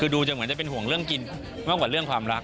ดูจะเหมือนจะเป็นห่วงเรื่องกินมากกว่าเรื่องความรัก